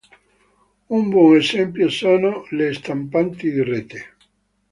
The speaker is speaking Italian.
Un buon esempio sono le stampanti di rete.